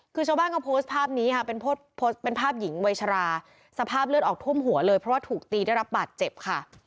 คือชาวบ้านเขาโพสต์ภาพนี้ค่ะเป็นโพสต์เป็นภาพหญิงวัยชราสภาพเลือดออกทุ่มหัวเลยเพราะว่าถูกตีได้รับบาดเจ็บค่ะ